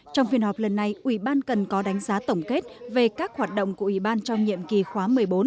trong phiên họp lần này ủy ban cần có đánh giá tổng kết về các hoạt động của ủy ban trong nhiệm kỳ khóa một mươi bốn